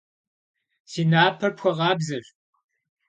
Си напэр пхуэкъабзэщ.